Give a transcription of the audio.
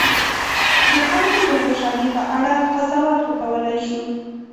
د خلکو د خوشالي په اړه قضاوت وکولای شو.